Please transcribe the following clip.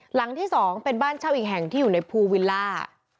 หลังที่๒เป็นบ้านเช่าอีกแห่งที่อยู่ในภูวิลล่า